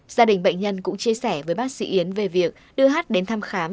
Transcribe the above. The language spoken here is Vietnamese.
gia đình bệnh nhân cũng chia sẻ với bác sĩ yến về việc đưa hát đến thăm khám